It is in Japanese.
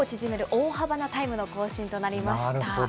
大幅なタイムの更新となりました。